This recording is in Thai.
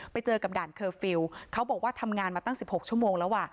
ไปเจอกับด่านเคอร์ฟิลล์เขาบอกว่าทำงานมาตั้ง๑๖ชั่วโมงแล้ว